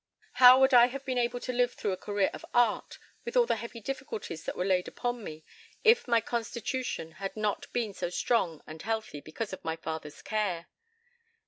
How would I have been able to live through a career of art, with all the heavy difficulties that were laid upon me, if my constitution had not been so strong and healthy because of my father's care?"